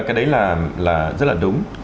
cái đấy là rất là đúng